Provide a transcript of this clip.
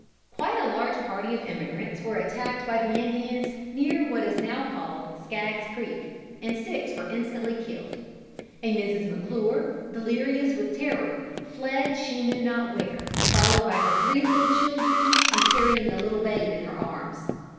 Quite a large party of emigrants were attacked by the Indians near what is now called Scagg's Creek, and six were instantly killed. A Mrs. McClure, delirious with terror, fled she knew not where, followed by her three little children and carrying a little babe in her arms.